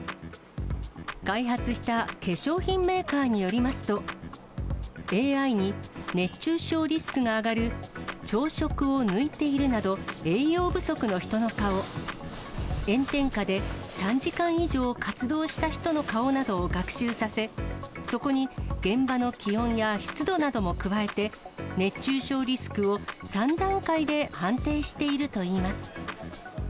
開発した化粧品メーカーによりますと、ＡＩに、熱中症リスクが上がる、朝食を抜いているなど、栄養不足の人の顔、炎天下で３時間以上活動した人の顔などを学習させ、そこに現場の気温や湿度なども加えて、熱中症リスクを３段階で判定しているといいます。